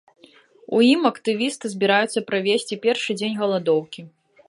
У ім актывісты збіраюцца правесці першы дзень галадоўкі.